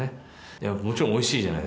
いやもちろんおいしいじゃないですか。